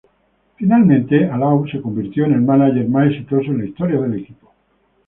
Finalmente, "Alou" se convirtió en el mánager más exitoso en la historia del equipo.